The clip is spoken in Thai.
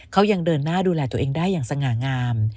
เขายังเดินหน้าดูแลตัวเองได้อย่างสง่างาม